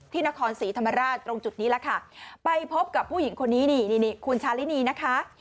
นครศรีธรรมราชตรงจุดนี้แหละค่ะไปพบกับผู้หญิงคนนี้นี่คุณชาลินีนะคะ